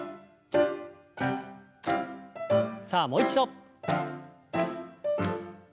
さあもう一度。